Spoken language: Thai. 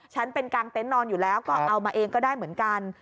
ฉันเป็นกางเต็นต์นอนอยู่แล้วก็เอามาเองก็ได้เหมือนกัน